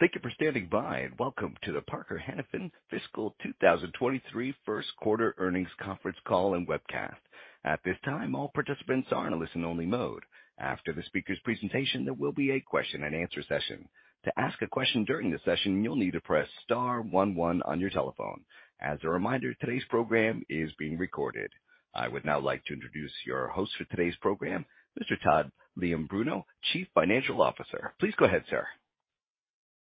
Thank you for standing by, and welcome to the Parker-Hannifin fiscal 2023 first quarter earnings conference call and webcast. At this time, all participants are in a listen-only mode. After the speaker's presentation, there will be a question-and-answer session. To ask a question during the session, you'll need to press Star one one on your telephone. As a reminder, today's program is being recorded. I would now like to introduce your host for today's program, Mr. Todd Leombruno, Chief Financial Officer. Please go ahead, sir.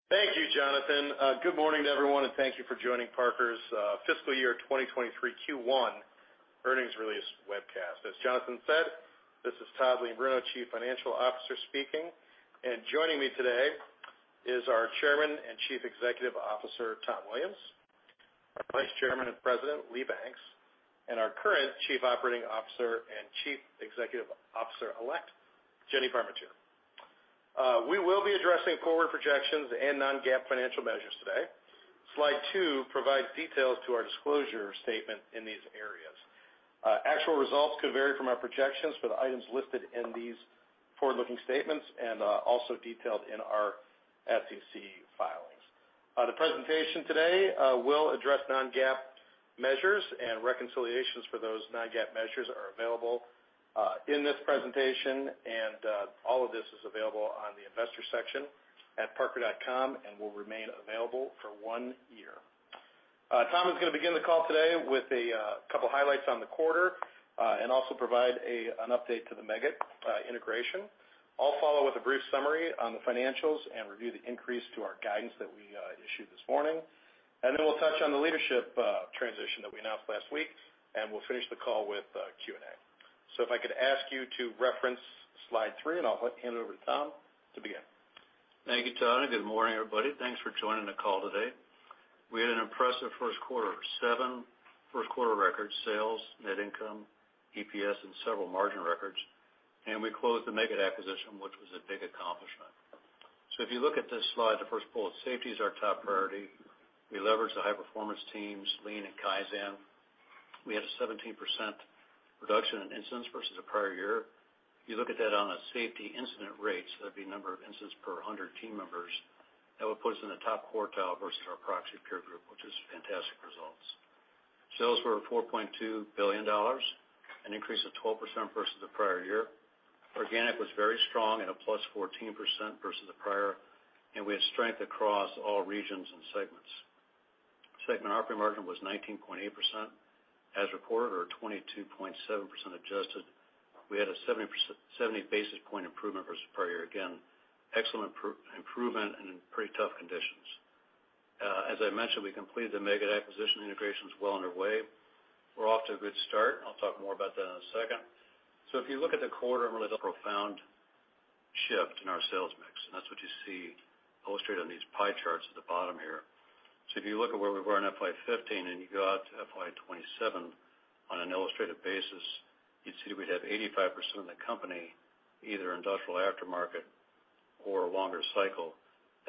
Thank you, Jonathan. Good morning to everyone, and thank you for joining Parker's fiscal year 2023 Q1 earnings release webcast. As Jonathan said, this is Todd Leombruno, Chief Financial Officer speaking. Joining me today is our Chairman and Chief Executive Officer, Tom Williams, our Vice Chairman and President, Lee Banks, and our current Chief Operating Officer and Chief Executive Officer-elect, Jennifer Parmentier. We will be addressing forward projections and non-GAAP financial measures today. Slide 2 provides details to our disclosure statement in these areas. Actual results could vary from our projections for the items listed in these forward-looking statements and also detailed in our SEC filings. The presentation today will address non-GAAP measures and reconciliations for those non-GAAP measures are available in this presentation, and all of this is available on the investor section at parker.com and will remain available for one year. Tom is gonna begin the call today with a couple highlights on the quarter and also provide an update to the Meggitt integration. I'll follow with a brief summary on the financials and review the increase to our guidance that we issued this morning. We'll touch on the leadership transition that we announced last week, and we'll finish the call with Q&A. If I could ask you to reference Slide 3, and I'll hand it over to Tom to begin. Thank you, Todd, and good morning, everybody. Thanks for joining the call today. We had an impressive first quarter. Seven first quarter records, sales, net income, EPS, and several margin records. We closed the Meggitt acquisition, which was a big accomplishment. If you look at this slide, the first bullet, safety is our top priority. We leveraged the high-performance teams, Lean and Kaizen. We had a 17% reduction in incidents versus the prior year. If you look at that on a safety incident rates, that'd be number of incidents per 100 team members, that would put us in the top quartile versus our proxy peer group, which is fantastic results. Sales were $4.2 billion, an increase of 12% versus the prior year. Organic was very strong and a +14% versus the prior, and we had strength across all regions and segments. Segment operating margin was 19.8% as reported or 22.7% adjusted. We had a 70 basis point improvement versus prior year. Again, excellent improvement in pretty tough conditions. As I mentioned, we completed the Meggitt acquisition, integration is well underway. We're off to a good start. I'll talk more about that in a second. If you look at the quarter, I mean, there's a profound shift in our sales mix, and that's what you see illustrated on these pie charts at the bottom here. If you look at where we were in FY 2015 and you go out to FY 2027 on an illustrated basis, you'd see that we'd have 85% of the company, either industrial aftermarket or a longer cycle.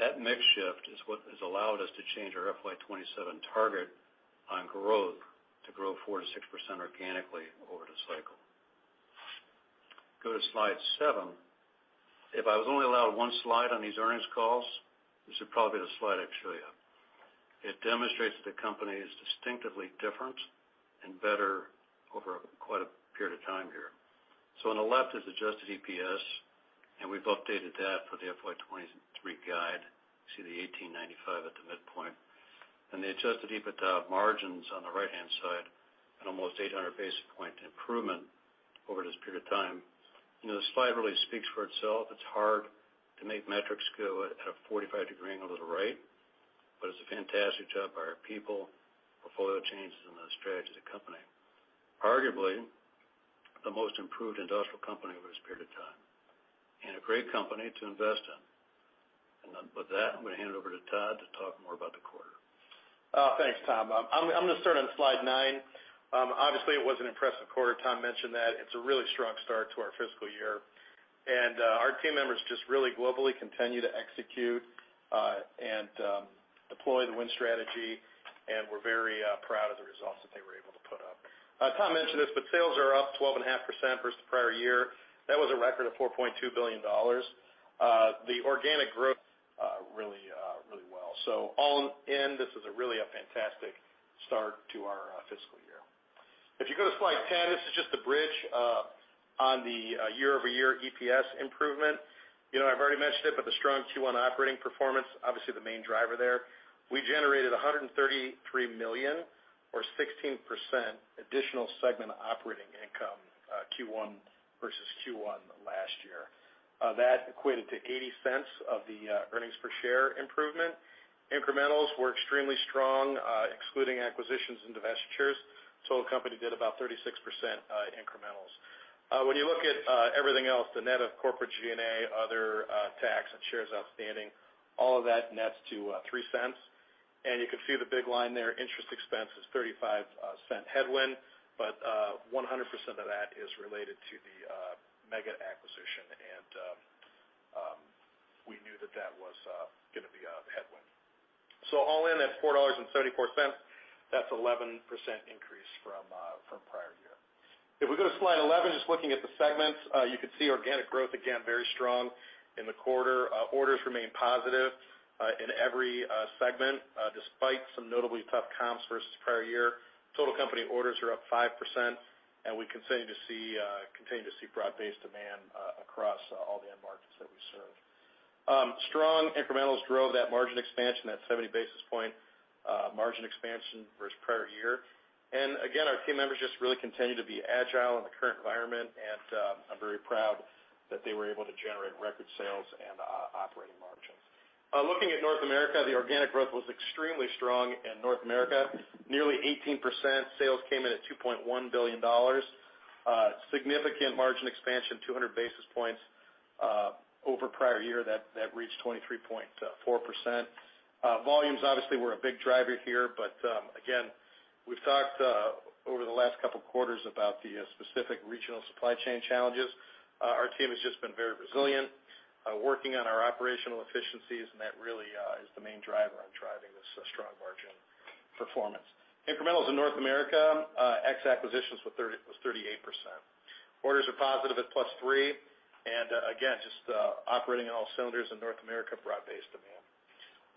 That mix shift is what has allowed us to change our FY 2027 target on growth to grow 4%-6% organically over the cycle. Go to Slide 7. If I was only allowed 1 slide on these earnings calls, this would probably be the slide I'd show you. It demonstrates that the company is distinctively different and better over quite a period of time here. On the left is adjusted EPS, and we've updated that for the FY 2023 guide. You see the $18.95 at the midpoint. The adjusted EBITDA margins on the right-hand side, an almost 800 basis point improvement over this period of time. You know, this slide really speaks for itself. It's hard to make metrics go at a 45-degree angle to the right, but it's a fantastic job by our people, portfolio changes, and the strategy of the company. Arguably, the most improved industrial company over this period of time, and a great company to invest in. With that, I'm gonna hand it over to Todd to talk more about the quarter. Thanks, Tom. I'm gonna start on Slide 9. Obviously, it was an impressive quarter. Tom mentioned that it's a really strong start to our fiscal year. Our team members just really globally continue to execute and deploy the Win Strategy, and we're very proud of the results that they were able to put up. Tom mentioned this, but sales are up 12.5% versus the prior year. That was a record of $4.2 billion. The organic growth really well. All in, this is really a fantastic start to our fiscal year. If you go to Slide 10, this is just a bridge on the year-over-year EPS improvement. You know, I've already mentioned it, but the strong Q1 operating performance, obviously the main driver there. We generated $133 million or 16% additional segment operating income, Q1 versus Q1 last year. That equated to $0.80 of the earnings per share improvement. Incrementals were extremely strong, excluding acquisitions and divestitures. Total company did about 36% incrementals. When you look at everything else, the net of corporate G&A, other, tax and shares outstanding, all of that nets to $0.03. You can see the big line there, interest expense is $0.35 headwind, but 100% of that is related to the Meggitt acquisition. All in, that's $4.74. That's 11% increase from prior year. If we go to Slide 11, just looking at the segments, you could see organic growth, again, very strong in the quarter. Orders remain positive in every segment despite some notably tough comps versus prior year. Total company orders are up 5%, and we continue to see broad-based demand across all the end markets that we serve. Strong incrementals drove that margin expansion, that 70 basis points margin expansion versus prior year. Our team members just really continue to be agile in the current environment, and I'm very proud that they were able to generate record sales and operating margins. Looking at North America, the organic growth was extremely strong in North America, nearly 18%. Sales came in at $2.1 billion. Significant margin expansion, 200 basis points over prior year that reached 23.4%. Volumes obviously were a big driver here, but again, we've talked over the last couple quarters about the specific regional supply chain challenges. Our team has just been very resilient, working on our operational efficiencies, and that really is the main driver on driving this strong margin performance. Incrementals in North America ex acquisitions were 38%. Orders are positive at +3%, and again, just operating on all cylinders in North America, broad-based demand.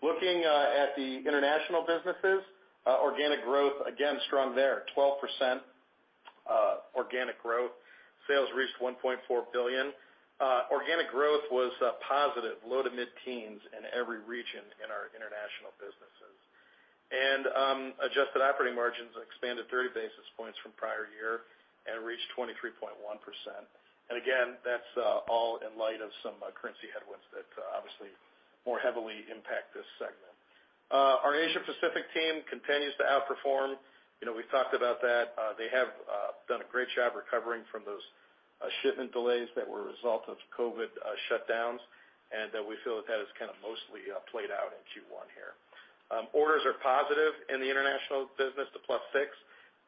Looking at the International businesses, organic growth, again, strong there, 12% organic growth. Sales reached $1.4 billion. Organic growth was positive low- to mid-teens% in every region in our International businesses. Adjusted operating margins expanded 30 basis points from prior year and reached 23.1%. That's all in light of some currency headwinds that obviously more heavily impact this segment. Our Asia Pacific team continues to outperform. You know, we've talked about that. They have done a great job recovering from those shipment delays that were a result of COVID shutdowns, and we feel that that is kind of mostly played out in Q1 here. Orders are positive in the International business to +6%,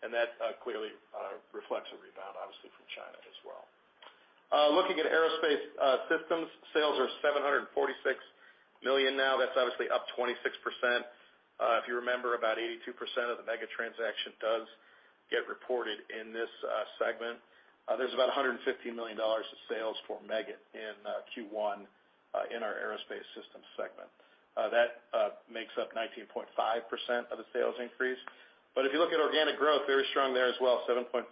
and that clearly reflects a rebound, obviously from China as well. Looking at Aerospace Systems, sales are $746 million now. That's obviously up 26%. If you remember, about 82% of the Meggitt transaction does get reported in this segment. There's about $150 million of sales for Meggitt in Q1 in our Aerospace Systems segment. That makes up 19.5% of the sales increase. If you look at organic growth, very strong there as well, 7.4%.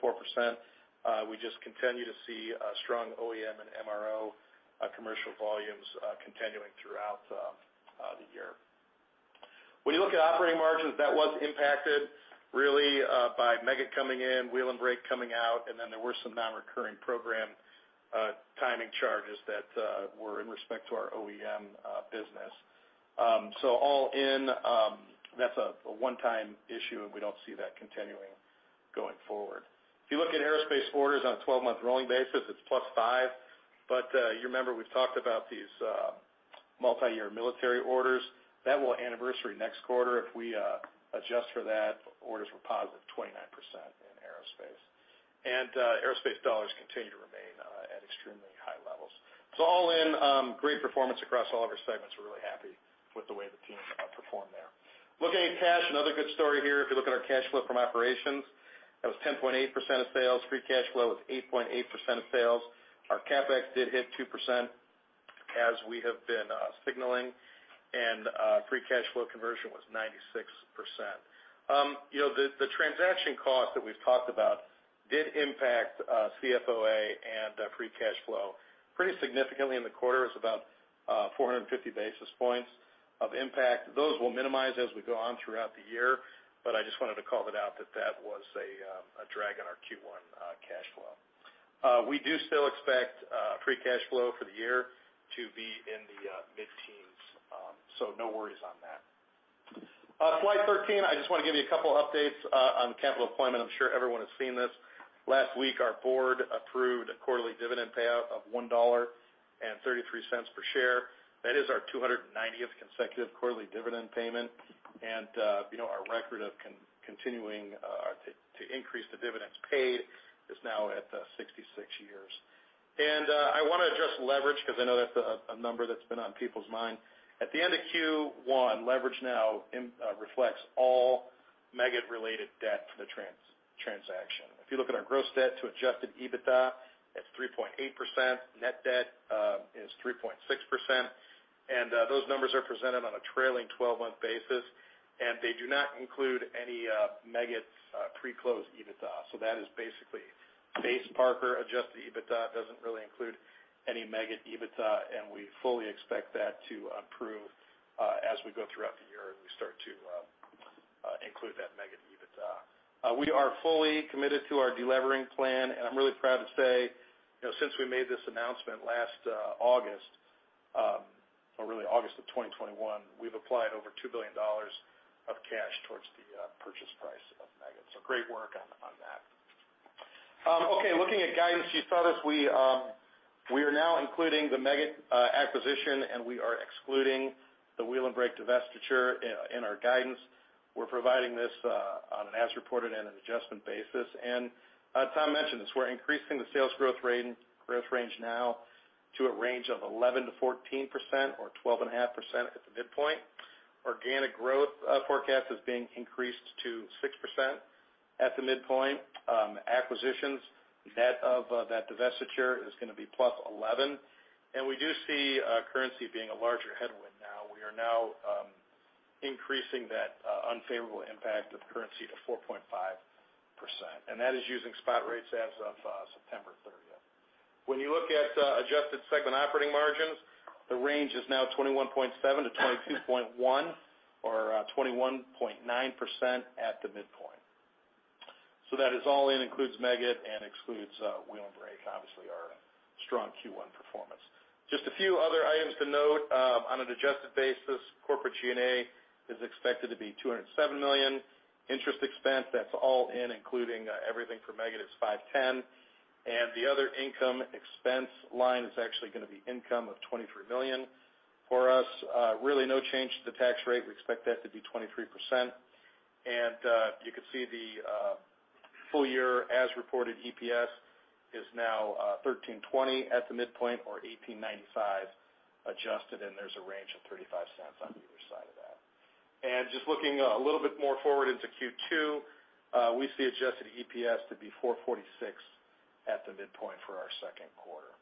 We just continue to see strong OEM and MRO commercial volumes continuing throughout the year. When you look at operating margins, that was impacted really by Meggitt coming in, Wheel and Brake coming out, and then there were some non-recurring program timing charges that were with respect to our OEM business. All in, that's a one-time issue, and we don't see that continuing going forward. If you look at Aerospace orders on a 12-month rolling basis, it's +5%. You remember we've talked about these multiyear military orders. That will anniversary next quarter. If we adjust for that, orders were +29% in Aerospace. Aerospace dollars continue to remain at extremely high levels. All in, great performance across all of our segments. We're really happy with the way the team performed there. Looking at cash, another good story here. If you look at our cash flow from operations, that was 10.8% of sales. Free cash flow was 8.8% of sales. Our CapEx did hit 2% as we have been signaling, and free cash flow conversion was 96%. You know, the transaction cost that we've talked about did impact CFOA and free cash flow pretty significantly in the quarter. It's about 450 basis points of impact. Those will minimize as we go on throughout the year, but I just wanted to call it out that that was a drag on our Q1 cash flow. We do still expect free cash flow for the year to be in the mid-teens, so no worries on that. Slide 13, I just wanna give you a couple updates on capital deployment. I'm sure everyone has seen this. Last week, our Board approved a quarterly dividend payout of $1.33 per share. That is our 290th consecutive quarterly dividend payment. You know, our record of continuing to increase the dividends paid is now at 66 years. I wanna address leverage 'cause I know that's a number that's been on people's mind. At the end of Q1, leverage now reflects all Meggitt-related debt from the transaction. If you look at our gross debt to adjusted EBITDA, it's 3.8%. Net debt is 3.6%. Those numbers are presented on a trailing 12-month basis, and they do not include any Meggitt's pre-closed EBITDA. That is basically base Parker adjusted EBITDA, doesn't really include any Meggitt EBITDA, and we fully expect that to improve as we go throughout the year and we start to include that Meggitt EBITDA. We are fully committed to our delevering plan, and I'm really proud to say, you know, since we made this announcement last August, or really August 2021, we've applied over $2 billion of cash towards the purchase price of Meggitt. So great work on that. Okay, looking at guidance. You saw this. We are now including the Meggitt acquisition, and we are excluding the Aircraft Wheel & Brake divestiture in our guidance. We're providing this on an as reported and an adjusted basis. Tom mentioned this, we're increasing the sales growth range now to a range of 11%-14% or 12.5% at the midpoint. Organic growth forecast is being increased to 6% at the midpoint. Acquisitions, net of that divestiture is gonna be +11%. We do see currency being a larger headwind now. We are now increasing that unfavorable impact of currency to 4.5%, and that is using spot rates as of September thirtieth. When you look at adjusted segment operating margins, the range is now 21.7%-22.1%, or 21.9% at the midpoint. That is all in, includes Meggitt and excludes Wheel and Brake, obviously our strong Q1 performance. Just a few other items to note, on an adjusted basis, corporate G&A is expected to be $207 million. Interest expense, that's all in, including everything for Meggitt is $510 million. The other income expense line is actually gonna be income of $23 million for us. Really no change to the tax rate. We expect that to be 23%. You can see the full-year as reported EPS is now $13.20 at the midpoint or $18.95 adjusted, and there's a range of $0.35 on either side of that. Just looking a little bit more forward into Q2, we see adjusted EPS to be $4.46 at the midpoint for our second quarter.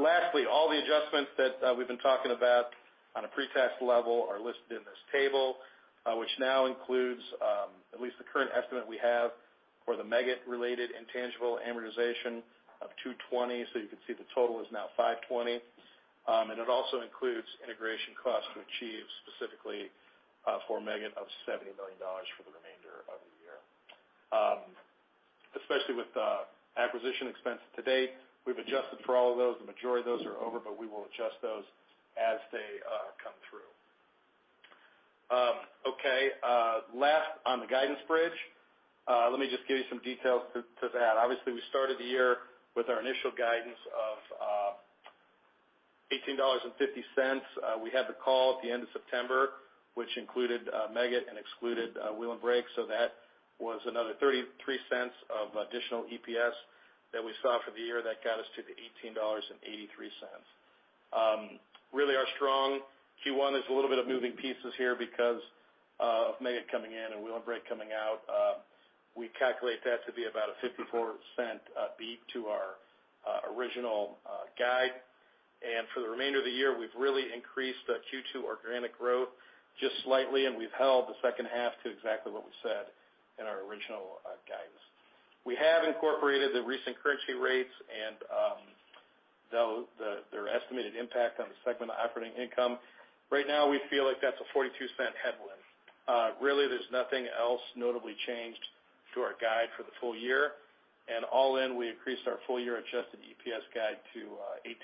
Lastly, all the adjustments that we've been talking about on a pre-tax level are listed in this table, which now includes at least the current estimate we have for the Meggitt related intangible amortization of $220, so you can see the total is now $520. It also includes integration costs to achieve specifically for Meggitt of $70 million for the remainder of the year. Especially with acquisition expenses to date, we've adjusted for all of those. The majority of those are over, but we will adjust those as they come through. Okay, last on the guidance bridge, let me just give you some details to that. Obviously, we started the year with our initial guidance of $18.50. We had the call at the end of September, which included Meggitt and excluded Wheel and Brake, so that was another $0.33 of additional EPS that we saw for the year. That got us to the $18.83. Really our strong Q1 is a little bit of moving pieces here because of Meggitt coming in and Wheel & Brake coming out. We calculate that to be about a $0.54 beat to our original guide. For the remainder of the year, we've really increased the Q2 organic growth just slightly, and we've held the second half to exactly what we said in our original guidance. We have incorporated the recent currency rates and their estimated impact on the segment operating income. Right now, we feel like that's a $0.42 headwind. Really, there's nothing else notably changed to our guide for the full-year. All in, we increased our full-year adjusted EPS guide to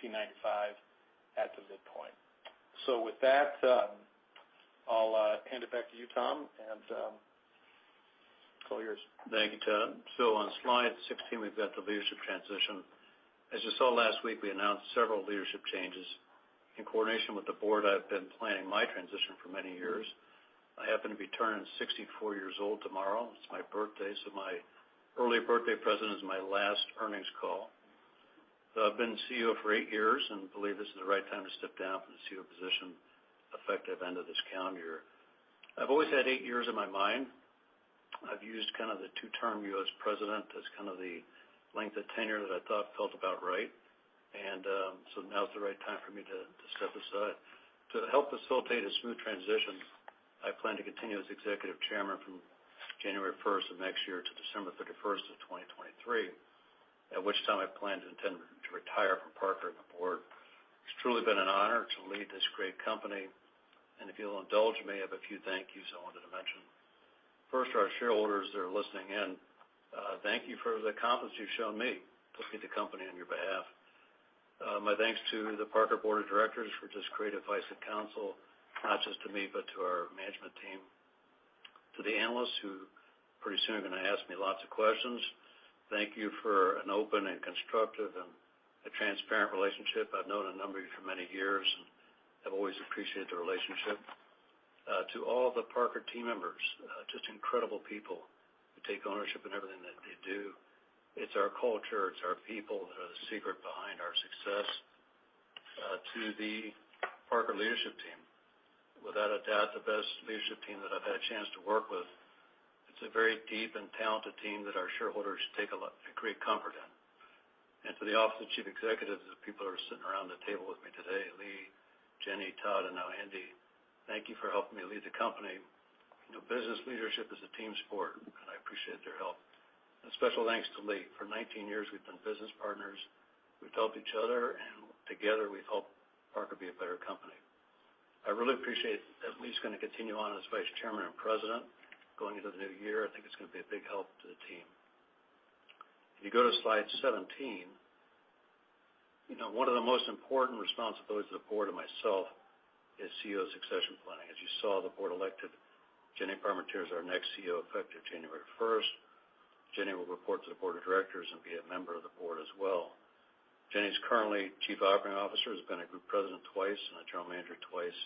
$18.95 at the midpoint. With that, I'll hand it back to you, Tom, and it's all yours. Thank you, Todd. On Slide 16, we've got the leadership transition. As you saw last week, we announced several leadership changes. In coordination with the Board, I've been planning my transition for many years. I happen to be turning 64 years old tomorrow. It's my birthday, so my early birthday present is my last earnings call. I've been CEO for 8 years and believe this is the right time to step down from the CEO position effective end of this calendar year. I've always had 8 years in my mind. I've used kind of the two-term U.S. President as kind of the length of tenure that I thought felt about right. Now's the right time for me to step aside. To help facilitate a smooth transition, I plan to continue as executive chairman from January 1st of next year to December 31st, 2023, at which time I plan to intend to retire from Parker and the Board. It's truly been an honor to lead this great company, and if you'll indulge me, I have a few thank yous I wanted to mention. First, to our shareholders that are listening in, thank you for the confidence you've shown me to lead the company on your behalf. My thanks to the Parker Board of Directors for just great advice and counsel, not just to me, but to our management team. To the analysts who pretty soon are gonna ask me lots of questions, thank you for an open and constructive and a transparent relationship. I've known a number of you for many years, and I've always appreciated the relationship. To all the Parker team members, just incredible people who take ownership in everything that they do. It's our culture, it's our people that are the secret behind our success. To the Parker leadership team, without a doubt, the best leadership team that I've had a chance to work with. It's a very deep and talented team that our shareholders should take a great comfort in. To the office of Chief Executives, the people who are sitting around the table with me today, Lee, Jenny, Todd, and now Andy, thank you for helping me lead the company. You know, business leadership is a team sport, and I appreciate their help. A special thanks to Lee. For 19 years, we've been business partners. We've helped each other, and together we've helped Parker be a better company. I really appreciate that Lee's gonna continue on as Vice Chairman and President going into the new year. I think it's gonna be a big help to the team. If you go to Slide 17, you know, one of the most important responsibilities of the board and myself is CEO succession planning. As you saw, the Board elected Jennifer Parmentier as our next CEO, effective January first. Jenny will report to the Board of Directors and be a member of the board as well. Jenny's currently Chief Operating Officer, has been a Group President twice and a General Manager twice.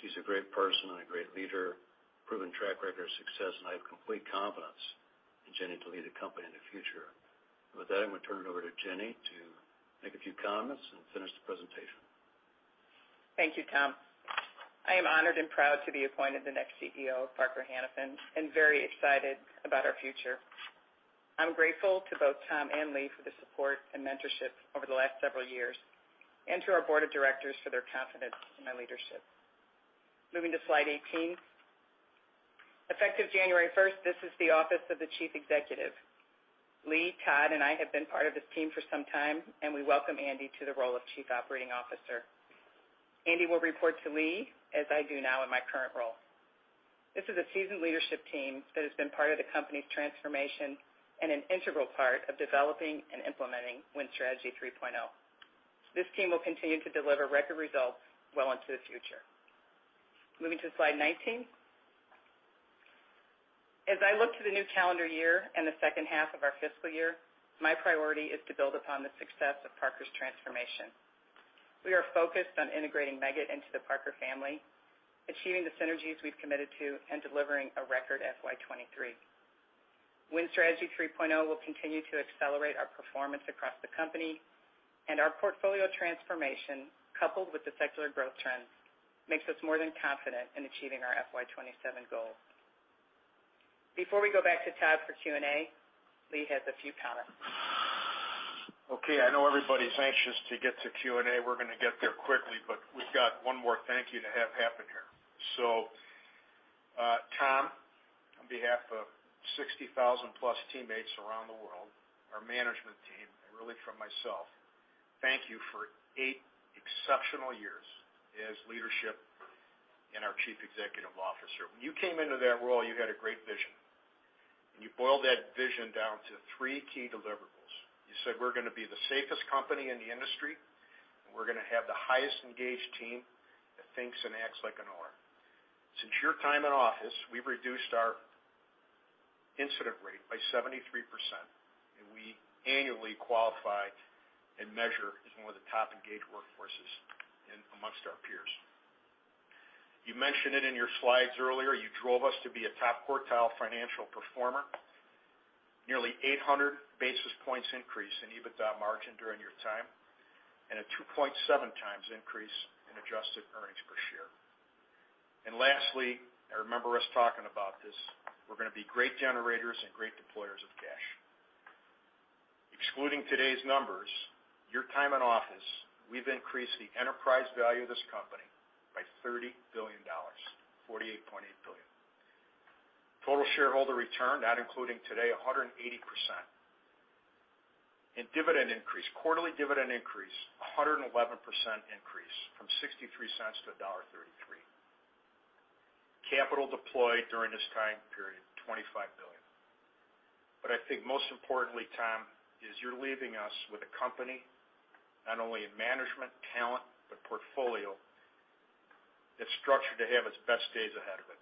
She's a great person and a great leader, proven track record of success, and I have complete confidence in Jenny to lead the company in the future. With that, I'm gonna turn it over to Jenny to make a few comments and finish the presentation. Thank you, Tom. I am honored and proud to be appointed the next CEO of Parker-Hannifin and very excited about our future. I'm grateful to both Tom and Lee for the support and mentorship over the last several years, and to our Board of Directors for their confidence in my leadership. Moving to Slide 18. Effective January 1st, this is the office of the chief executive. Lee, Todd, and I have been part of this team for some time, and we welcome Andy to the role of Chief Operating Officer. Andy will report to Lee, as I do now in my current role. This is a seasoned leadership team that has been part of the company's transformation and an integral part of developing and implementing Win Strategy 3.0. This team will continue to deliver record results well into the future. Moving to Slide 19. As I look to the new calendar year and the second half of our fiscal year, my priority is to build upon the success of Parker's transformation. We are focused on integrating Meggitt into the Parker family, achieving the synergies we've committed to, and delivering a record FY 2023. Win Strategy 3.0 will continue to accelerate our performance across the company, and our portfolio transformation, coupled with the secular growth trends, makes us more than confident in achieving our FY 2027 goal. Before we go back to Todd for Q&A, Lee has a few comments. Okay, I know everybody's anxious to get to Q&A. We're gonna get there quickly, but we've got one more thank you to have happen here. Tom, on behalf of 60,000+ teammates around the world, our management team, and really from myself, thank you for eight exceptional years as leadership and our Chief Executive Officer. When you came into that role, you had a great vision, and you boiled that vision down to three key deliverables. You said we're gonna be the safest company in the industry, and we're gonna have the highest engaged team that thinks and acts like an owner. Since your time in office, we've reduced our incident rate by 73%, and we annually qualify and measure as one of the top engaged workforces amongst our peers. You mentioned it in your slides earlier, you drove us to be a top quartile financial performer. Nearly 800 basis points increase in EBITDA margin during your time, and a 2.7x increase in adjusted earnings per share. Lastly, I remember us talking about this, we're gonna be great generators and great deployers of cash. Excluding today's numbers, your time in office, we've increased the enterprise value of this company by $30 billion, $48.8 billion. Total shareholder return, not including today, 180%. A dividend increase, quarterly dividend increase, a 111% increase from $0.63-$1.33. Capital deployed during this time period, $25 billion. I think most importantly, Tom, is you're leaving us with a company not only in management talent, but portfolio that's structured to have its best days ahead of it.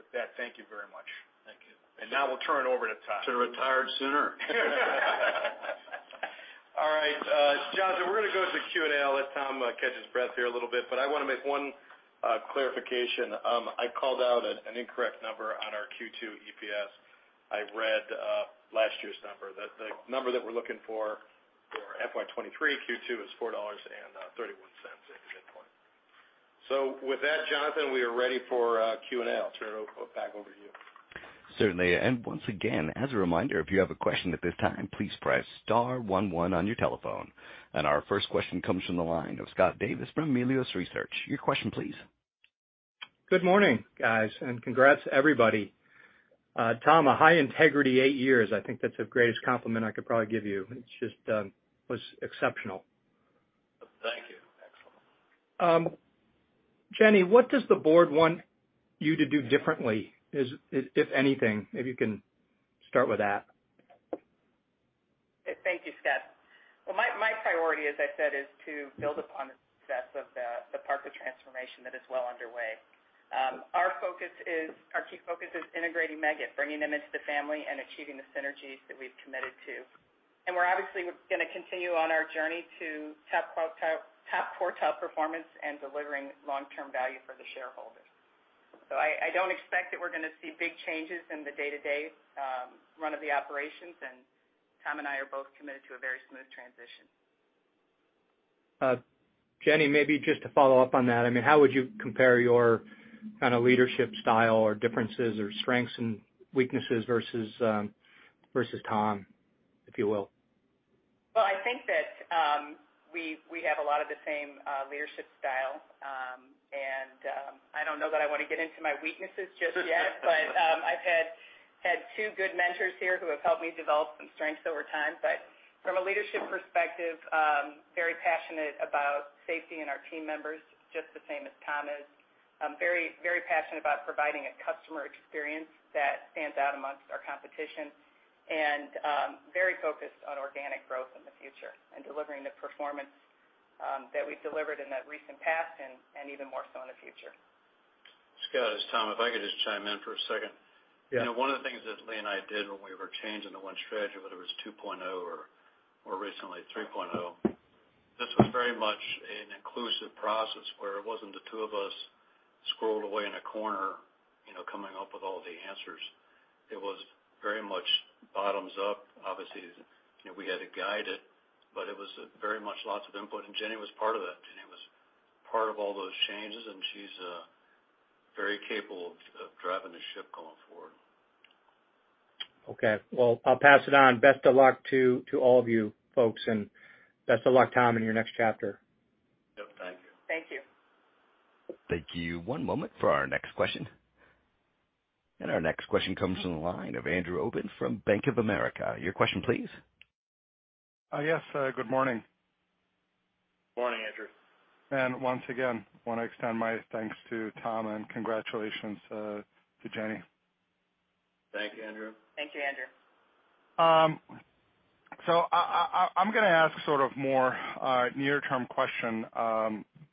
With that, thank you very much. Thank you. Now we'll turn it over to Todd. Should've retired sooner. All right, Jonathan, we're gonna go to the Q&A. I'll let Tom catch his breath here a little bit, but I wanna make one clarification. I called out an incorrect number on our Q2 EPS. I read last year's number. The number that we're looking for for FY 2023, Q2 is $4.31 at the midpoint. With that, Jonathan, we are ready for Q&A. I'll turn it back over to you. Certainly. Once again, as a reminder, if you have a question at this time, please press Star one one on your telephone. Our first question comes from the line of Scott Davis from Melius Research. Your question, please. Good morning, guys, and congrats everybody. Tom, a high integrity eight years, I think that's the greatest compliment I could probably give you. It's just, was exceptional. Thank you. Excellent. Jenny, what does the board want you to do differently, if anything? If you can start with that. Thank you, Scott. Well, my priority, as I said, is to build upon the success of the Parker transformation that is well underway. Our key focus is integrating Meggitt, bringing them into the family and achieving the synergies that we've committed to. We're obviously gonna continue on our journey to top quartile performance and delivering long-term value for the shareholders. I don't expect that we're gonna see big changes in the day-to-day run of the operations, and Tom and I are both committed to a very smooth transition. Jenny, maybe just to follow-up on that, I mean, how would you compare your kind of leadership style or differences or strengths and weaknesses versus Tom, if you will? Well, I think that we have a lot of the same leadership style. I don't know that I wanna get into my weaknesses just yet, but I've had two good mentors here who have helped me develop some strengths over time. From a leadership perspective, very passionate about safety and our team members, just the same as Tom is. I'm very, very passionate about providing a customer experience that stands out among our competition and very focused on organic growth in the future and delivering the performance that we've delivered in the recent past and even more so in the future. Scott, it's Tom, if I could just chime in for a second. Yeah. You know, one of the things that Lee and I did when we were changing The Win Strategy, whether it was 2.0 or recently 3.0, this was very much an inclusive process where it wasn't the two of us holed away in a corner, you know, coming up with all the answers. It was very much bottoms up. Obviously, you know, we had to guide it, but it was very much lots of input, and Jenny was part of that. Jenny was part of all those changes, and she's very capable of driving the ship going forward. Okay. Well, I'll pass it on. Best of luck to all of you folks, and best of luck, Tom, in your next chapter. Yep. Thank you. Thank you. Thank you. One moment for our next question. Our next question comes from the line of Andrew Obin from Bank of America. Your question, please. Yes. Good morning. Morning, Andrew. Once again, wanna extend my thanks to Tom, and congratulations to Jenny. Thank you, Andrew. Thank you, Andrew. I'm gonna ask sort of a more near-term question.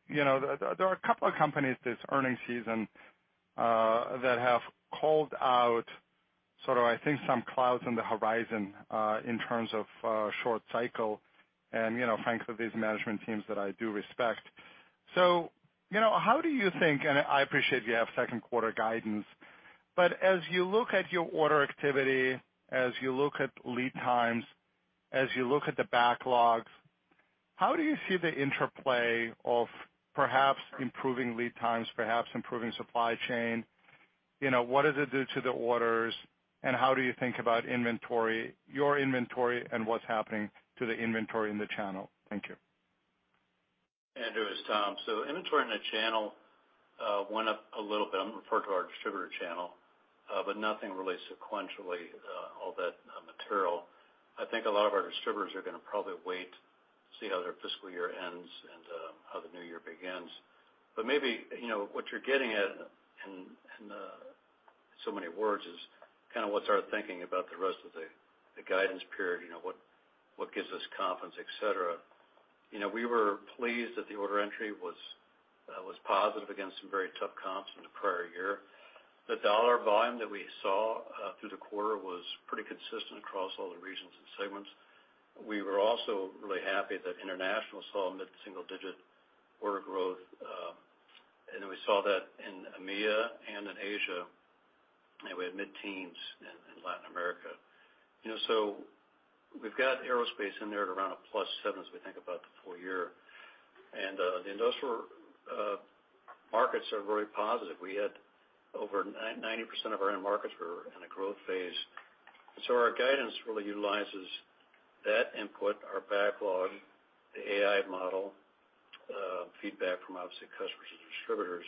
You know, there are a couple of companies this earnings season that have called out sort of, I think, some clouds on the horizon in terms of short cycle and, you know, frankly, these management teams that I do respect. You know, how do you think. I appreciate you have second quarter guidance, but as you look at your order activity, as you look at lead times, as you look at the backlogs, how do you see the interplay of perhaps improving lead times, perhaps improving supply chain? You know, what does it do to the orders, and how do you think about inventory, your inventory, and what's happening to the inventory in the channel? Thank you. Andrew, it's Tom. Inventory in the channel went up a little bit. I'm referring to our distributor channel, but nothing really sequentially all that material. I think a lot of our distributors are gonna probably wait to see how their fiscal year ends and how the new year begins. Maybe, you know, what you're getting at in so many words is kind of what's our thinking about the rest of the guidance period, you know, what gives us confidence, et cetera. You know, we were pleased that the order entry was positive against some very tough comps from the prior year. The dollar volume that we saw through the quarter was pretty consistent across all the regions and segments. We were also really happy that international saw mid-single-digit order growth, and we saw that in EMEA and in Asia, and we had mid-teens in Latin America. You know, so we've got aerospace in there at around +7% as we think about the full-year. The industrial markets are very positive. We had over 90% of our end markets were in a growth phase. Our guidance really utilizes that input, our backlog, the AI model, feedback from obviously customers and distributors.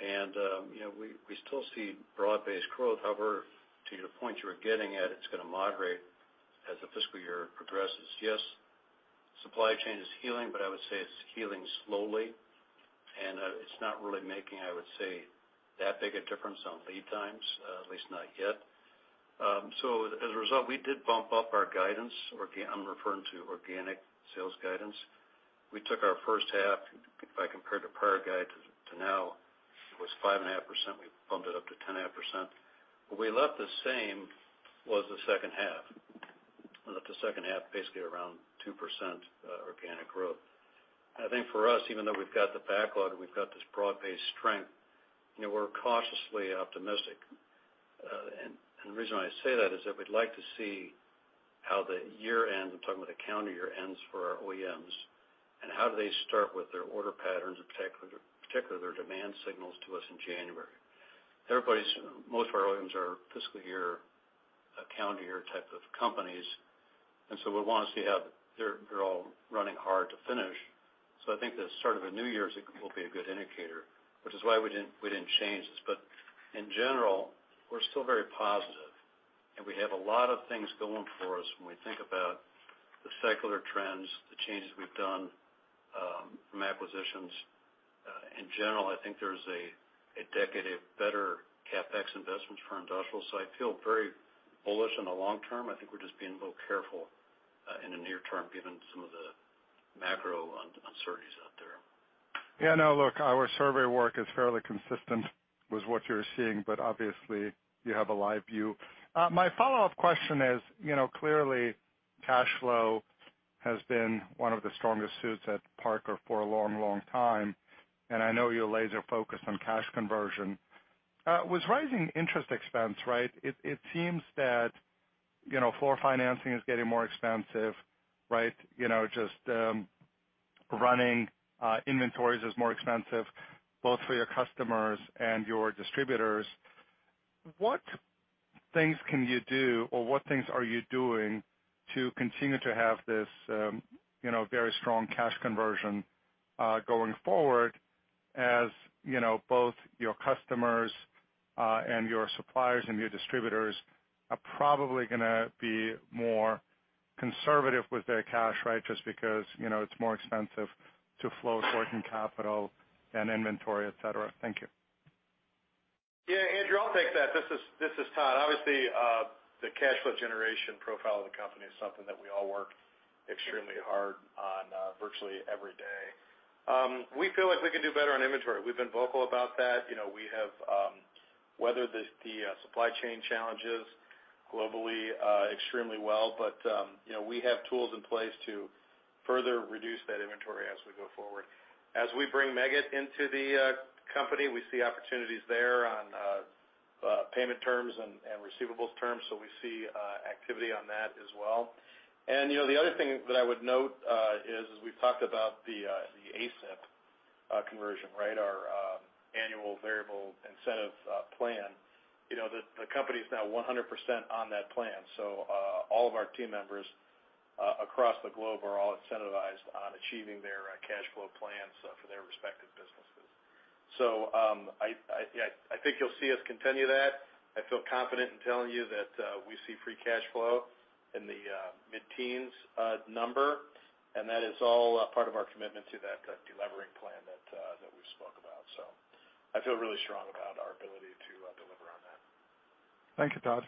You know, we still see broad-based growth. However, to the point you were getting at, it's gonna moderate as the fiscal year progresses. Yes, supply chain is healing, but I would say it's healing slowly. It's not really making, I would say, that big a difference on lead times, at least not yet. So as a result, we did bump up our guidance, or again, I'm referring to organic sales guidance. We took our first half; if I compare the prior guide to now, it was 5.5%. We bumped it up to 10.5%. What we left the same was the second half. We left the second half basically around 2%, organic growth. I think for us, even though we've got the backlog and we've got this broad-based strength, you know, we're cautiously optimistic. The reason why I say that is that we'd like to see how the year ends. I'm talking about the calendar year ends for our OEMs, and how do they start with their order patterns, in particular, their demand signals to us in January. Most of our OEMs are fiscal year, calendar year type of companies, and so we wanna see how they're all running hard to finish. I think the start of a new year will be a good indicator, which is why we didn't change this. In general, we're still very positive, and we have a lot of things going for us when we think about the secular trends, the changes we've done from acquisitions. In general, I think there's a decade of better CapEx investments for industrial, so I feel very bullish in the long-term. I think we're just being a little careful in the near-term given some of the macro uncertainties out there. Yeah, no, look, our survey work is fairly consistent with what you're seeing, but obviously you have a live view. My follow-up question is, you know, clearly cash flow has been one of the strongest suits at Parker for a long, long time, and I know you're laser focused on cash conversion. With rising interest expense, right, it seems that, you know, floorplan financing is getting more expensive, right? You know, just running inventories is more expensive both for your customers and your distributors. What things can you do or what things are you doing to continue to have this, you know, very strong cash conversion going forward as, you know, both your customers and your suppliers and your distributors are probably gonna be more conservative with their cash, right? Just because, you know, it's more expensive to flow working capital and inventory, et cetera. Thank you. Yeah, Andrew, I'll take that. This is Todd. Obviously, the cash flow generation profile of the company is something that we all work extremely hard on, virtually every day. We feel like we can do better on inventory. We've been vocal about that. You know, we have weathered the supply chain challenges globally, extremely well, but you know, we have tools in place to further reduce that inventory as we go forward. As we bring Meggitt into the company, we see opportunities there on payment terms and receivables terms, so we see activity on that as well. You know, the other thing that I would note is as we've talked about the AVIP conversion, right? Our Annual Variable Incentive Plan. You know, the company is now 100% on that plan. All of our team members across the globe are all incentivized on achieving their cash flow plans for their respective businesses. Yeah, I think you'll see us continue that. I feel confident in telling you that we see free cash flow in the mid-teens number, and that is all a part of our commitment to that delevering plan that we spoke about. I feel really strong about our ability to deliver on that. Thank you, Todd.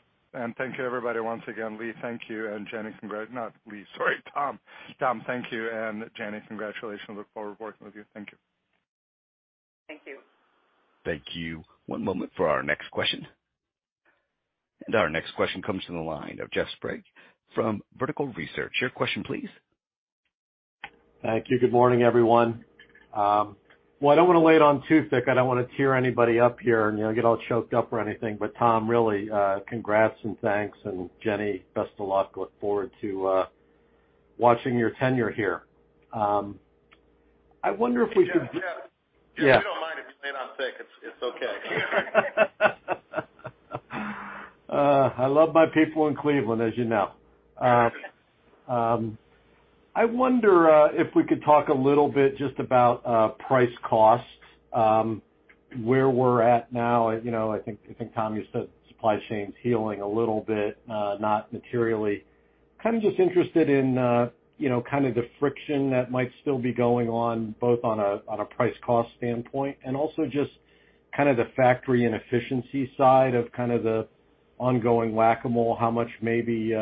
Thank you, everybody, once again. Tom, thank you. Jenny, congratulations. Look forward to working with you. Thank you. Thank you. Thank you. One moment for our next question. Our next question comes from the line of Jeff Sprague from Vertical Research. Your question, please. Thank you. Good morning, everyone. Well, I don't wanna lay it on too thick. I don't wanna tear anybody up here and, you know, get all choked up or anything, but Tom, really, congrats and thanks, and Jenny, best of luck. Look forward to watching your tenure here. I wonder if we could. Jeff. Yeah. We don't mind if you lay it on thick. It's okay. I love my people in Cleveland, as you know. I wonder if we could talk a little bit just about price costs, where we're at now. You know, I think Tom, you said supply chain's healing a little bit, not materially. Kind of just interested in you know, kind of the friction that might still be going on, both on a price cost standpoint and also just kind of the factory and efficiency side of kind of the ongoing whack-a-mole, how much maybe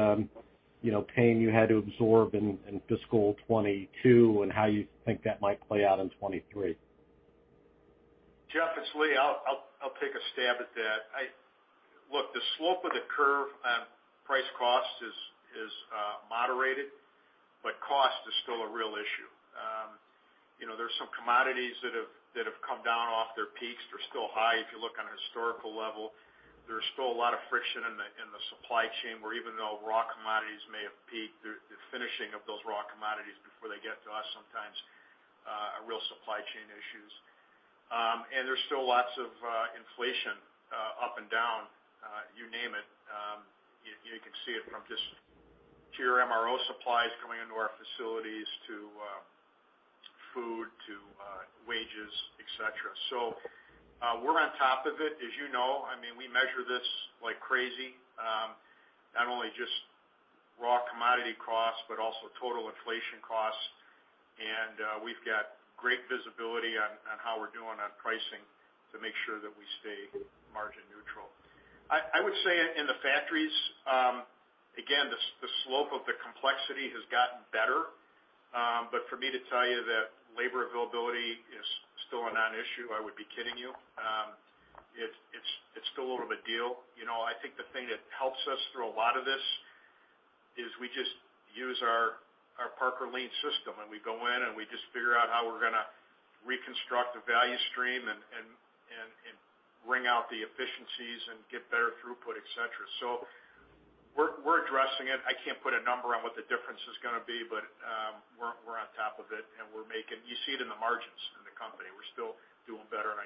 you know, pain you had to absorb in Fiscal 2022 and how you think that might play out in 2023. Jeff, it's Lee. I'll take a stab at that. Look, the slope of the curve on price cost is moderated, but cost is still a real issue. You know, there's some commodities that have come down off their peaks. They're still high if you look on a historical level. There's still a lot of friction in the supply chain, where even though raw commodities may have peaked, the finishing of those raw commodities before they get to us sometimes are real supply chain issues. There's still lots of inflation up and down, you name it. You can see it from just your MRO supplies coming into our facilities to food to wages, et cetera. We're on top of it, as you know. I mean, we measure this like crazy, not only just raw commodity costs, but also total inflation costs. We've got great visibility on how we're doing on pricing to make sure that we stay margin neutral. I would say in the factories, again, the slope of the complexity has gotten better. For me to tell you that labor availability is still a non-issue, I would be kidding you. It's still a little bit of a deal. You know, I think the thing that helps us through a lot of this is we just use our Parker Lean system, and we go in and we just figure out how we're gonna reconstruct the value stream and wring out the efficiencies and get better throughput, et cetera. We're addressing it. I can't put a number on what the difference is gonna be, but we're on top of it, and you see it in the margins in the company. We're still doing better on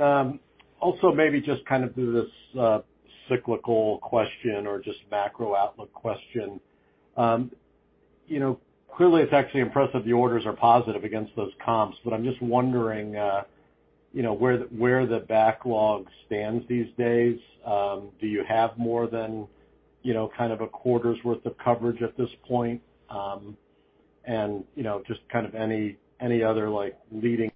a year-over-year basis. Also, maybe just kind of do this cyclical question or just macro outlook question. You know, clearly it's actually impressive the orders are positive against those comps, but I'm just wondering, you know, where the backlog stands these days. Do you have more than, you know, kind of a quarter's worth of coverage at this point? You know, just kind of any other, like, leading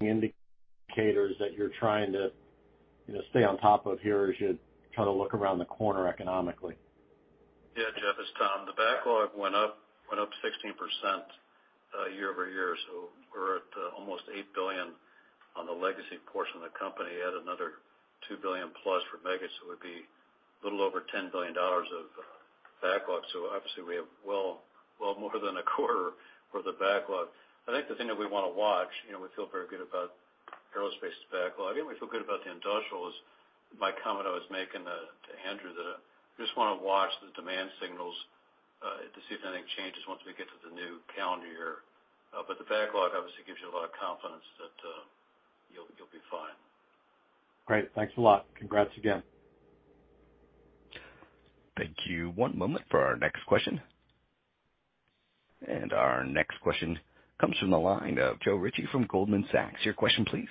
indicators that you're trying to, you know, stay on top of here as you try to look around the corner economically. Yeah, Jeff, it's Tom. The backlog went up 16% year-over-year, so we're at almost $8 billion on the legacy portion of the company. Add another $2 billion+ for Meggitt, so it would be a little over $10 billion of backlog. Obviously we have well more than a quarter worth of backlog. I think the thing that we wanna watch, you know, we feel very good about aerospace backlog, and we feel good about the industrial, is my comment I was making to Andrew that I just wanna watch the demand signals to see if anything changes once we get to the new calendar year. The backlog obviously gives you a lot of confidence that you'll be fine. Great. Thanks a lot. Congrats again. Thank you. One moment for our next question. Our next question comes from the line of Joe Ritchie from Goldman Sachs. Your question, please.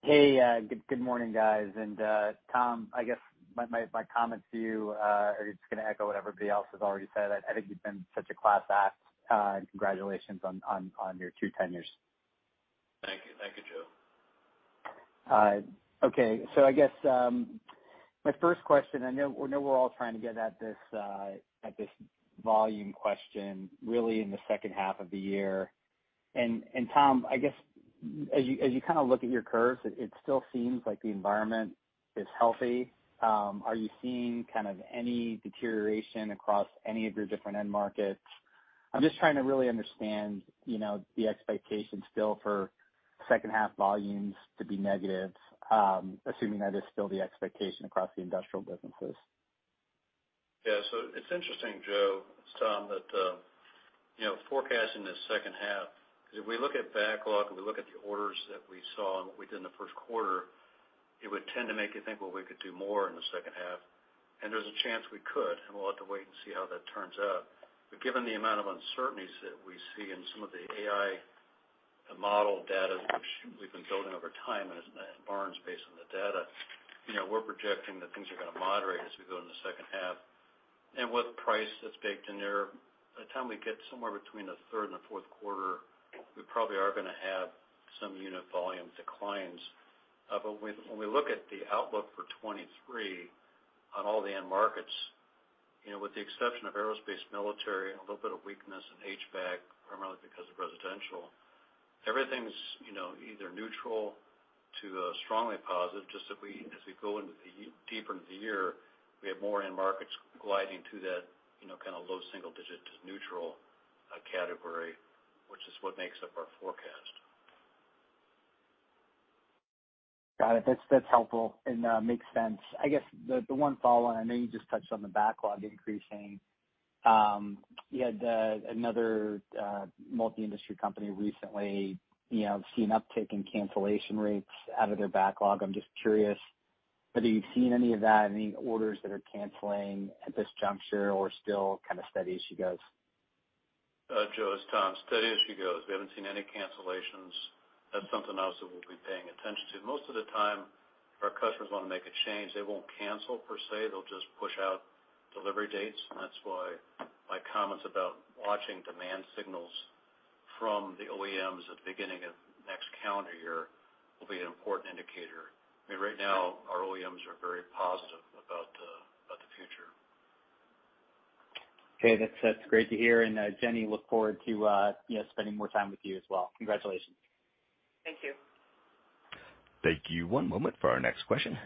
Hey, good morning, guys. Tom, I guess my comment to you is gonna echo what everybody else has already said. I think you've been such a class act, and congratulations on your two tenures. Thank you. Thank you, Joe. Okay. I guess my first question. I know we're all trying to get at this volume question really in the second half of the year. Tom, I guess as you kind of look at your curves, it still seems like the environment is healthy. Are you seeing kind of any deterioration across any of your different end markets? I'm just trying to really understand, you know, the expectation still for second half volumes to be negative, assuming that is still the expectation across the Industrial businesses. Yeah. It's interesting, Joe, Tom, that you know, forecasting this second half, if we look at backlog and we look at the orders that we saw and what we did in the first quarter, it would tend to make you think, well, we could do more in the second half, and there's a chance we could, and we'll have to wait and see how that turns out. Given the amount of uncertainties that we see in some of the AI model data which we've been building over time, and as barring based on the data, you know, we're projecting that things are gonna moderate as we go in the second half. With price that's baked in there, by the time we get somewhere between the third and the fourth quarter, we probably are gonna have some unit volume declines. When we look at the outlook for 2023 on all the end markets, you know, with the exception of aerospace, military, and a little bit of weakness in HVAC, primarily because of residential, everything's, you know, either neutral to strongly positive. Just as we go deeper into the year, we have more end markets gliding to that, you know, kind of low-single-digit to neutral category, which is what makes up our forecast. Got it. That's helpful and makes sense. I guess the one follow on, I know you just touched on the backlog increasing. You had another multi-industry company recently, you know, see an uptick in cancellation rates out of their backlog. I'm just curious whether you've seen any of that, any orders that are canceling at this juncture or still kind of steady as she goes. Joe, it's Tom. Steady as she goes. We haven't seen any cancellations. That's something else that we'll be paying attention to. Most of the time, if our customers wanna make a change, they won't cancel per se. They'll just push out delivery dates. That's why my comments about watching demand signals from the OEMs at the beginning of next calendar year will be an important indicator. I mean, right now, our OEMs are very positive about the future. Okay. That's great to hear. Jenny, look forward to, you know, spending more time with you as well. Congratulations. Thank you. Thank you. One moment for our next question.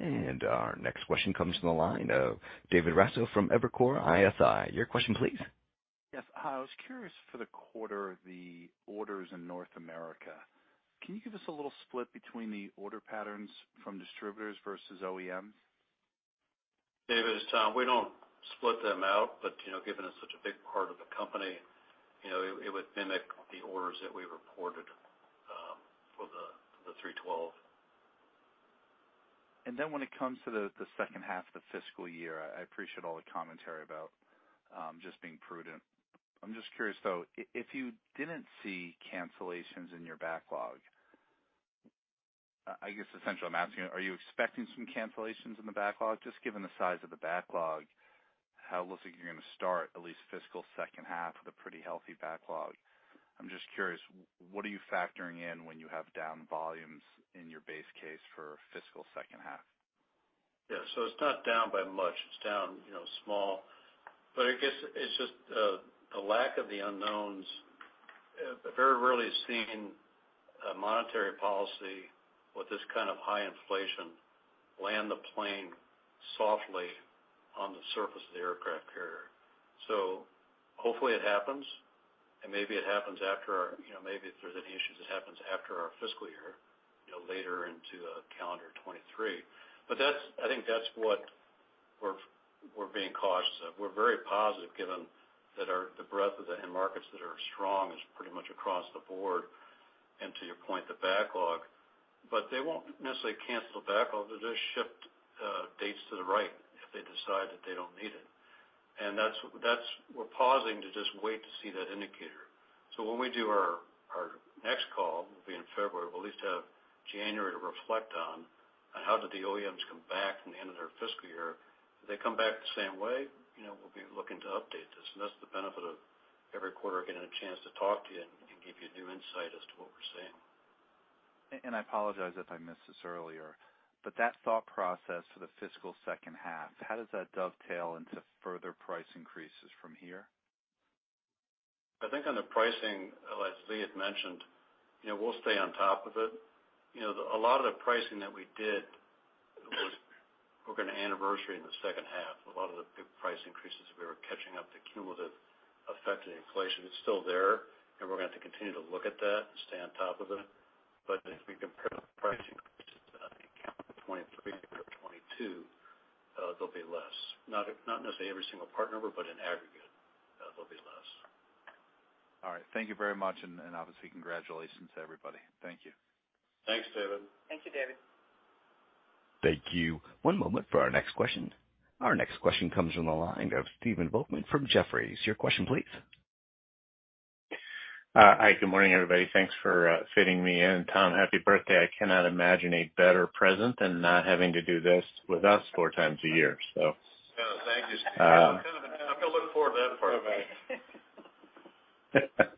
Our next question comes from the line of David Raso from Evercore ISI. Your question please. Yes. I was curious for the quarter of the orders in North America. Can you give us a little split between the order patterns from distributors versus OEMs? David, it's Tom. We don't split them out, but you know, given it's such a big part of the company, you know, it would mimic the orders that we reported for the 3-12. When it comes to the second half of the fiscal year, I appreciate all the commentary about just being prudent. I'm just curious, though, if you didn't see cancellations in your backlog, I guess essentially I'm asking, are you expecting some cancellations in the backlog? Just given the size of the backlog, how it looks like you're gonna start at least fiscal second half with a pretty healthy backlog. I'm just curious, what are you factoring in when you have down volumes in your base case for fiscal second half? Yeah. It's not down by much. It's down, you know, small. I guess it's just the lack of the unknowns. Very rarely seen a monetary policy with this kind of high inflation land the plane softly on the surface of the aircraft carrier. Hopefully it happens, and maybe it happens after, you know, maybe if there's any issues, it happens after our fiscal year, you know, later into calendar 2023. That's. I think that's what we're being cautious of. We're very positive given that the breadth of the end markets that are strong is pretty much across the board. To your point, the backlog. They won't necessarily cancel the backlog. They'll just shift dates to the right if they decide that they don't need it. That's. We're pausing to just wait to see that indicator. When we do our next call, it'll be in February. We'll at least have January to reflect on how did the OEMs come back from the end of their fiscal year. If they come back the same way, you know, we'll be looking to update this. That's the benefit of every quarter getting a chance to talk to you and give you new insight as to what we're seeing. I apologize if I missed this earlier, but that thought process for the fiscal second half, how does that dovetail into further price increases from here? I think on the pricing, as Lee had mentioned, you know, we'll stay on top of it. You know, a lot of the pricing that we did was. We're gonna anniversary in the second half. A lot of the price increases, we were catching up to cumulative effect of the inflation. It's still there, and we're gonna have to continue to look at that and stay on top of it. If we compare the price increases, I think, 2023 to 2022, they'll be less. Not necessarily every single part number, but in aggregate. All right. Thank you very much, and obviously congratulations to everybody. Thank you. Thanks, David. Thank you, David. Thank you. One moment for our next question. Our next question comes from the line of Steve Volkmann from Jefferies. Your question please. Hi, good morning, everybody. Thanks for fitting me in. Tom, happy birthday. I cannot imagine a better present than not having to do this with us 4x a year, so. Oh, thank you. I kinda look forward to that part of it.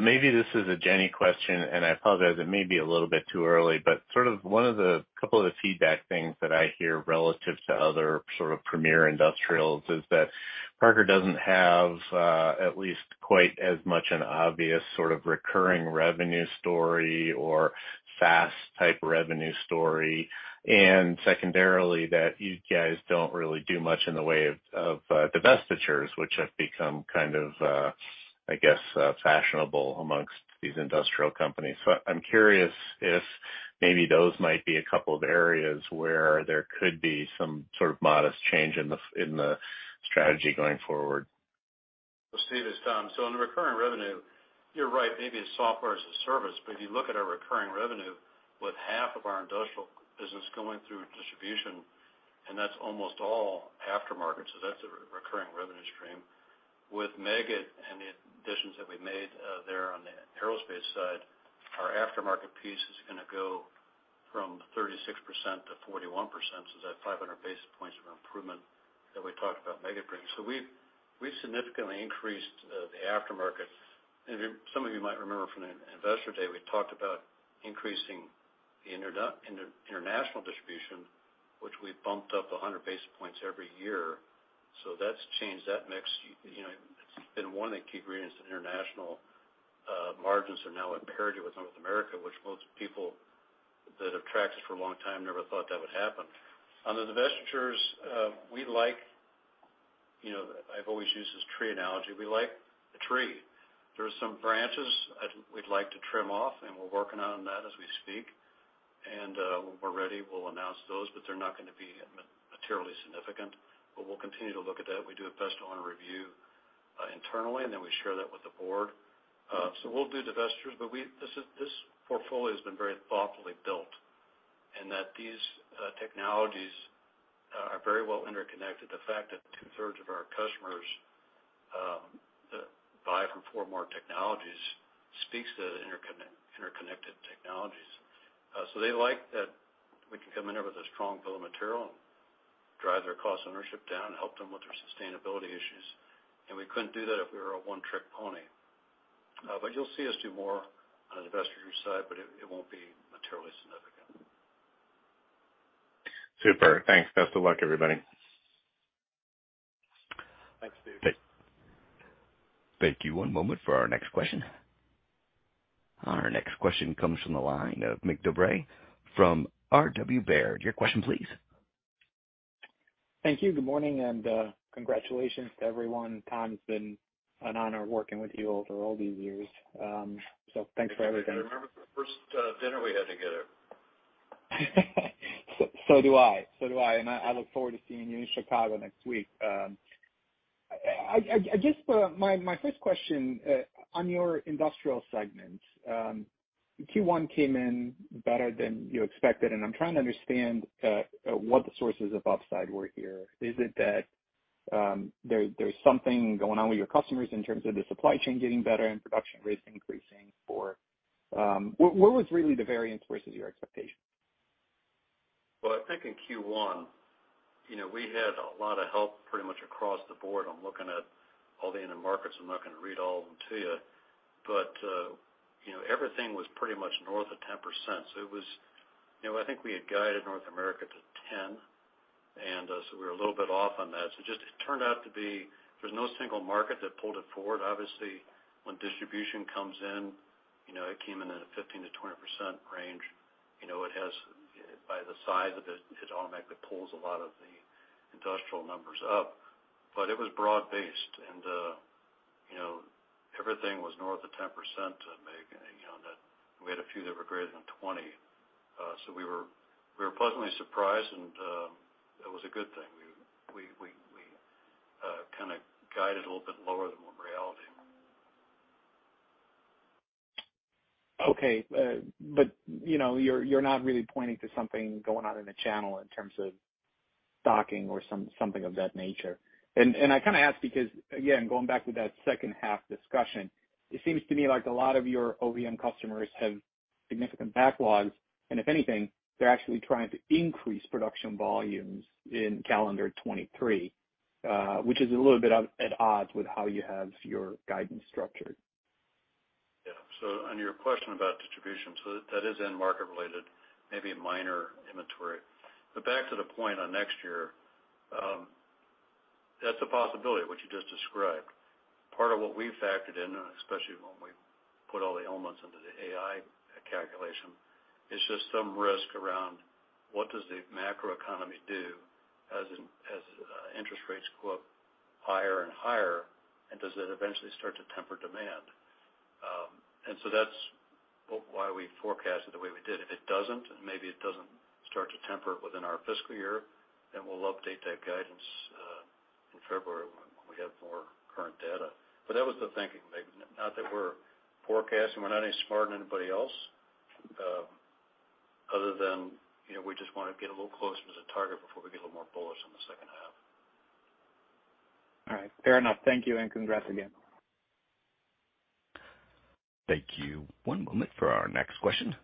Maybe this is a Jenny question, and I apologize, it may be a little bit too early, but sort of one of the couple of the feedback things that I hear relative to other sort of premier industrials is that Parker doesn't have at least quite as much an obvious sort of recurring revenue story or fast type revenue story, and secondarily, that you guys don't really do much in the way of divestitures, which have become kind of, I guess, fashionable amongst these industrial companies. I'm curious if maybe those might be a couple of areas where there could be some sort of modest change in the strategy going forward. Well, Steve, it's Tom. In the recurring revenue, you're right. Maybe it's software as a service, but if you look at our recurring revenue, with half of our industrial business going through distribution, and that's almost all aftermarket, that's a recurring revenue stream. With Meggitt and the additions that we made there on the aerospace side, our aftermarket piece is gonna go from 36%-41%, that 500 basis points of improvement that we talked about Meggitt bringing. We've significantly increased the aftermarket. Some of you might remember from Investor Day, we talked about increasing the international distribution, which we've bumped up 100 basis points every year. That's changed. That mix, you know, it's been one of the key ingredients to international margins are now at parity with North America, which most people that have tracked us for a long time never thought that would happen. On the divestitures, we like. You know, I've always used this tree analogy. We like the tree. There are some branches, we'd like to trim off, and we're working on that as we speak. When we're ready, we'll announce those, but they're not gonna be materially significant. We'll continue to look at that. We do a best owner review internally, and then we share that with the Board. We'll do divestitures, but this portfolio has been very thoughtfully built in that these technologies are very well interconnected. The fact that 2/3 of our customers buy from four or more technologies speaks to the interconnected technologies. They like that we can come in there with a strong bill of material and drive their cost of ownership down and help them with their sustainability issues, and we couldn't do that if we were a one-trick pony. You'll see us do more on the divestiture side, but it won't be materially significant. Super. Thanks. Best of luck, everybody. Thanks, Steve. Thank you. One moment for our next question. Our next question comes from the line of Mig Dobre from RW Baird. Your question please. Thank you. Good morning and congratulations to everyone. Tom, it's been an honor working with you over all these years. Thanks for everything. I remember the first dinner we had together. Do I. My first question on your Industrial segment, Q1 came in better than you expected, and I'm trying to understand what the sources of upside were here. Is it that there's something going on with your customers in terms of the supply chain getting better and production rates increasing or what was really the variance versus your expectations? Well, I think in Q1, you know, we had a lot of help pretty much across the board. I'm looking at all the end markets. I'm not gonna read all of them to you. You know, everything was pretty much north of 10%. You know, I think we had guided North America to 10%, and so we were a little bit off on that. Just it turned out to be there's no single market that pulled it forward. Obviously, when distribution comes in, you know, it came in at a 15%-20% range. You know, it has, by the size of it automatically pulls a lot of the industrial numbers up. It was broad-based and, you know, everything was north of 10% in Meggitt. You know, that we had a few that were greater than 20%. We were pleasantly surprised, and it was a good thing. We kinda guided a little bit lower than what reality was. Okay. You know, you're not really pointing to something going on in the channel in terms of stocking or something of that nature. I kinda ask because, again, going back to that second half discussion, it seems to me like a lot of your OEM customers have significant backlogs, and if anything, they're actually trying to increase production volumes in calendar 2023, which is a little bit at odds with how you have your guidance structured. Yeah. On your question about distribution, so that is end market related, maybe minor inventory. Back to the point on next year, that's a possibility, what you just described. Part of what we factored in, especially when we put all the elements into the AI calculation, is just some risk around what does the macroeconomy do as interest rates go up higher and higher, and does it eventually start to temper demand? That's why we forecasted the way we did. If it doesn't, and maybe it doesn't start to temper within our fiscal year, then we'll update that guidance in February when we have more current data. That was the thinking. Like, not that we're forecasting, we're not any smarter than anybody else, other than, you know, we just wanna get a little closer to the target before we get a little more bullish on the second half. All right. Fair enough. Thank you, and congrats again. Thank you. One moment for our next question.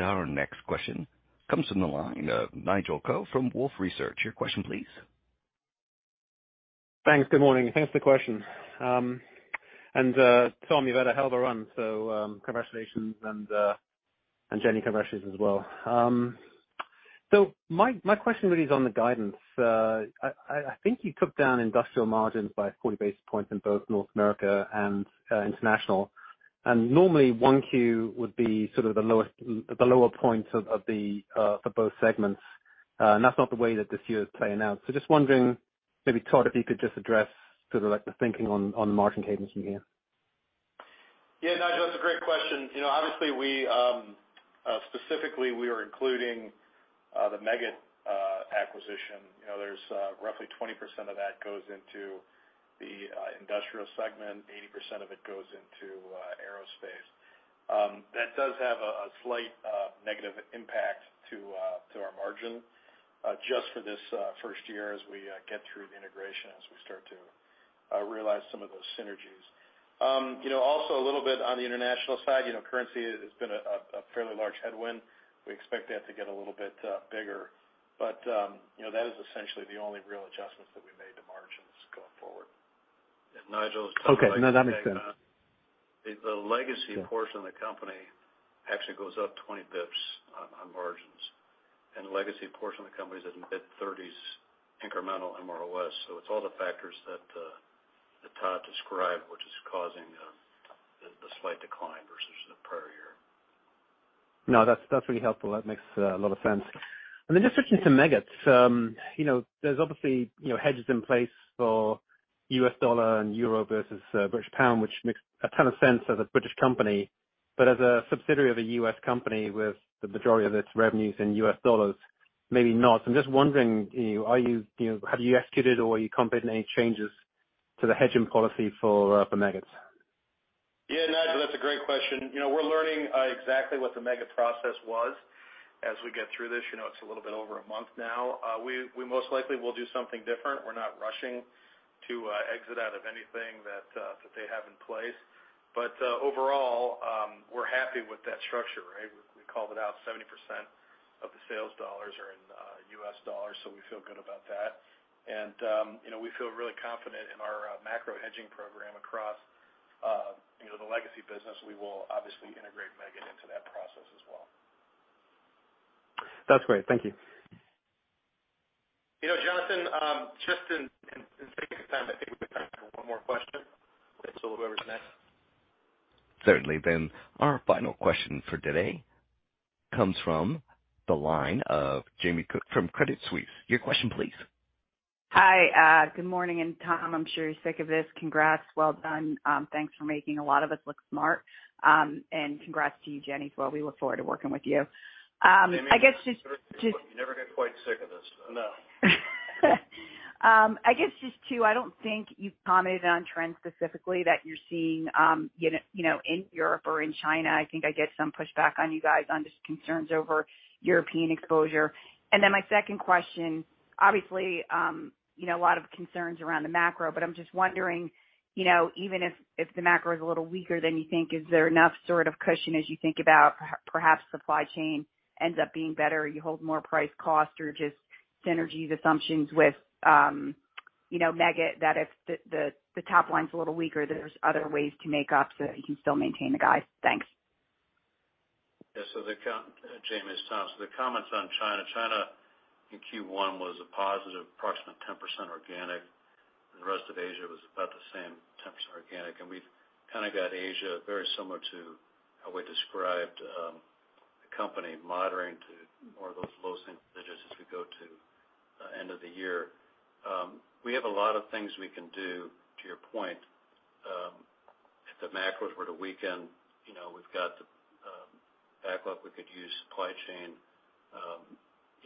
Our next question comes from the line of Nigel Coe from Wolfe Research. Your question please. Thanks. Good morning. Thanks for the question. Tom, you've had a hell of a run, so congratulations, and Jenny, congratulations as well. My question really is on the guidance. I think you took down Industrial margins by 40 basis points in both North America and international. Normally 1Q would be sort of the lower point of the year for both segments, and that's not the way that this year is playing out. Just wondering, maybe Todd, if you could just address sort of like the thinking on the margin cadence from here. Yeah, Nigel, that's a great question. You know, obviously we specifically are including the Meggitt acquisition. You know, there's roughly 20% of that goes into the Industrial segment, 80% of it goes into aerospace. That does have a slight negative impact to our margin just for this first year as we get through the integration, as we start to realize some of those synergies. You know, also a little bit on the international side, you know, currency has been a fairly large headwind. We expect that to get a little bit bigger. You know, that is essentially the only real adjustments that we made to margins going forward. Nigel, to Okay. No, that makes sense. The legacy portion of the company actually goes up 20 bps on margins. The legacy portion of the company is in mid-30s% incremental margins. It's all the factors that Todd described, which is causing the slight decline versus the prior year. No, that's really helpful. That makes a lot of sense. Just switching to Meggitt. You know, there's obviously, you know, hedges in place for U.S. dollar and euro versus British pound, which makes a ton of sense as a British company, but as a subsidiary of a U.S. company with the majority of its revenues in U.S. dollars, maybe not. I'm just wondering, you know, are you know, have you executed or are you contemplating any changes to the hedging policy for Meggitt? Yeah, Nigel, that's a great question. You know, we're learning exactly what the Meggitt process was as we get through this. You know, it's a little bit over a month now. We most likely will do something different. We're not rushing to exit out of anything that they have in place. But overall, we're happy with that structure, right? We called it out, 70% of the sales dollars are in U.S. dollars, so we feel good about that. You know, we feel really confident in our macro hedging program across you know, the legacy business. We will obviously integrate Meggitt into that process as well. That's great. Thank you. You know, Jonathan, just for the sake of time, I think we have time for one more question. Whoever's next. Certainly then. Our final question for today comes from the line of Jamie Cook from Credit Suisse. Your question please. Hi. Good morning. Tom, I'm sure you're sick of this. Congrats. Well done. Congrats to you, Jenny, as well. We look forward to working with you. I guess just. You never get quite sick of this. No. I guess just two. I don't think you've commented on trends specifically that you're seeing, you know, in Europe or in China. I think I get some pushback on you guys on just concerns over European exposure. Then my second question, obviously, you know, a lot of concerns around the macro. I'm just wondering, you know, even if the macro is a little weaker than you think, is there enough sort of cushion as you think about perhaps supply chain ends up being better, you hold more price cost or just synergies assumptions with, you know, Meggitt that if the top line's a little weaker, there's other ways to make up so that you can still maintain the guide? Thanks. Jamie, it's Tom. The comments on China. China in Q1 was a positive, approximately 10% organic, and the rest of Asia was about the same, 10% organic. We've kind of got Asia very similar to how we described, the company moderating to more of those low single digits as we go to end of the year. We have a lot of things we can do, to your point, if the macros were to weaken, you know, we've got the backlog we could use, supply chain.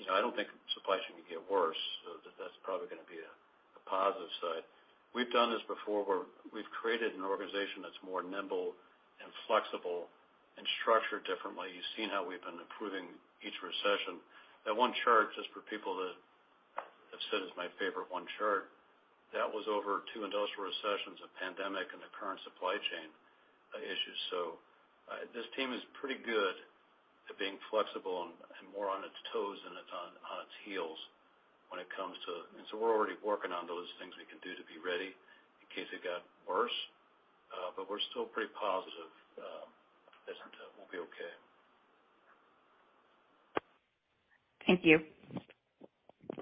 You know, I don't think supply chain can get worse, so that's probably gonna be a positive side. We've done this before where we've created an organization that's more nimble and flexible and structured differently. You've seen how we've been improving each recession. That one chart, just for people that have said it's my favorite one chart, that was over two industrial recessions, a pandemic, and the current supply chain issues. This team is pretty good at being flexible and more on its toes than it's on its heels when it comes to. We're already working on those things we can do to be ready in case it got worse. We're still pretty positive that we'll be okay. Thank you.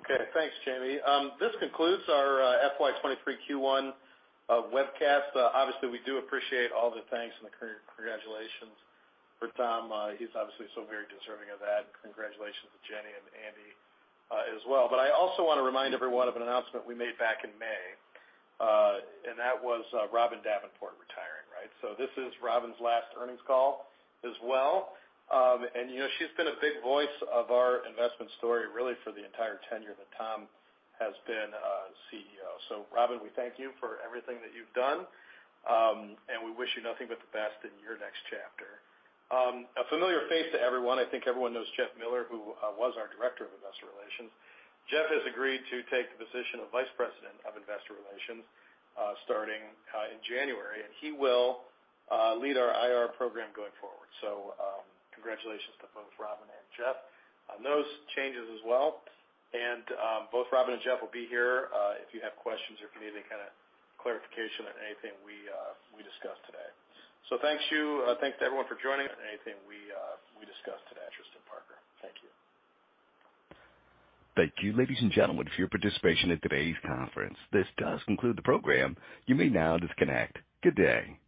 Okay. Thanks, Jamie. This concludes our FY 2023 Q1 webcast. Obviously, we do appreciate all the thanks and the congratulations for Tom. He's obviously so very deserving of that. Congratulations to Jenny and Andy as well. I also wanna remind everyone of an announcement we made back in May, and that was Robin Davenport retiring, right? This is Robin's last earnings call as well. You know, she's been a big voice of our investment story really for the entire tenure that Tom has been CEO. Robin, we thank you for everything that you've done, and we wish you nothing but the best in your next chapter. A familiar face to everyone, I think everyone knows Jeff Miller, who was our Director of Investor Relations. Jeff has agreed to take the position of Vice President of Investor Relations, starting in January, and he will lead our IR program going forward. Congratulations to both Robin and Jeff on those changes as well. Both Robin and Jeff will be here if you have questions or if you need any kind of clarification on anything we discuss today. Thanks to you. Thank you to everyone for joining. Anything we discuss today, Trust in Parker. Thank you. Thank you, ladies and gentlemen, for your participation in today's conference. This does conclude the program. You may now disconnect. Good day.